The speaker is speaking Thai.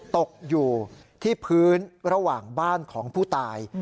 ตกอยู่ที่พื้นระหว่างบ้านของผู้ตาย